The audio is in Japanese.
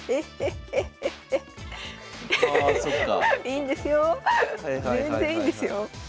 いいんですよ全然いいんですよ。